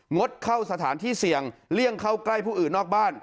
ดเข้าสถานที่เสี่ยงเลี่ยงเข้าใกล้ผู้อื่นนอกบ้าน